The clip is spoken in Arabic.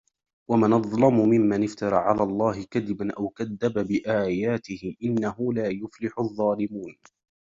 ومن أظلم ممن افترى على الله كذبا أو كذب بآياته إنه لا يفلح الظالمون